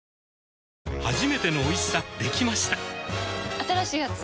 新しいやつ？